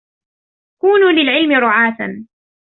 كُونُوا لِلْعِلْمِ رُعَاةً